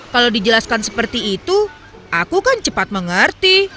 kalau dijelaskan seperti itu aku kan cepat mengerti